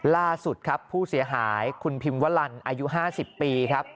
ล่าสุดครับผู้เสียหายคุณพิมวลันอายุ๕๐ปีครับ